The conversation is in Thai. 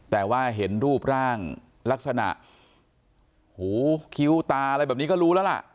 แต่ว่าเห็นรูปร่างลักษณะหูคิ้วตาอะไรแบบนี้ก็รู้แล้วล่ะ